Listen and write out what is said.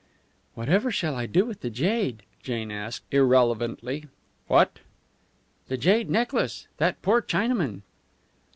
"Whatever shall I do with the jade?" Jane asked, irrelevantly. "What?" "The jade necklace. That poor Chinaman!"